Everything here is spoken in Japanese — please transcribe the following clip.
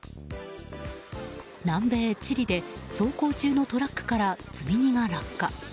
南米チリで走行中のトラックから積み荷が落下。